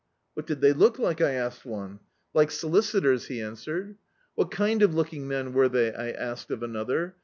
"What did they look like?" I asked one. "like solicitors," he answered. "What kind of looking men were they?" I asked of another.